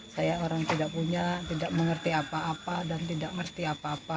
saya orang tidak punya tidak mengerti apa apa dan tidak mengerti apa apa